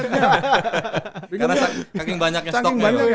karena kaking banyaknya stocknya